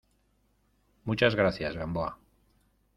muchas gracias, Gamboa.